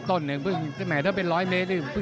ต้นหนึ่งแม่ถ้าเป็นร้อยเมตร